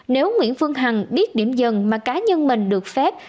nếu nguyễn phương hằng biết điểm dần mà cá nhân mình được phép